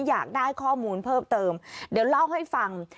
อยากได้ข้อมูลเพิ่มเติมเดี๋ยวเล่าให้ฟัง